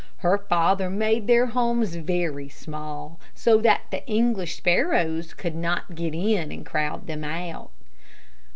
Her father made their homes very small, so that the English sparrows could not get in and crowd them out.